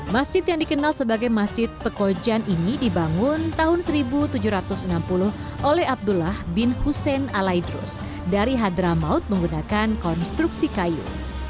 masjid yang dikenal sebagai masjid pekojan ini dibangun tahun seribu tujuh ratus enam puluh oleh abdullah bin hussein alaidrus dari hadramaut menggunakan konstruksi kayu